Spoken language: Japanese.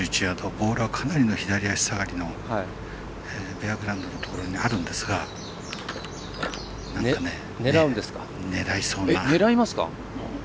ボールはかなりの左足下がりのベアグラウンドにあるんですが狙いそうなところ。